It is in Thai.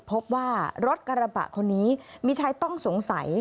พบว่ารถกระบะคนนี้มีชายต้องสงสัย